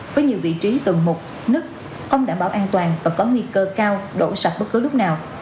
với nhiều vị trí tầng mục nứt không đảm bảo an toàn và có nguy cơ cao đổ sập bất cứ lúc nào